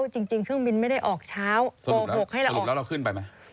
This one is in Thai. จริงเครื่องบินไม่ได้ออกเช้าโกหกให้เราสรุปแล้วเราขึ้นไปไหม